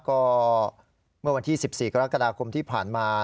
ก็เมื่อวันที่๑๔กรกฎาคมที่ผ่านมา